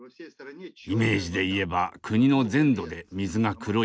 イメージで言えば国の全土で水が黒いのです。